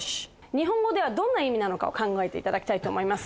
日本語ではどんな意味か考えていただきたいと思います。